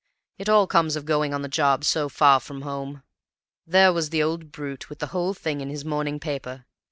It all comes of going on the job so far from home. There was the old brute with the whole thing in his morning paper.